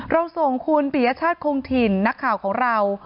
เราส่งคุณปียชาติคงถิ่นนักข่าวของเรา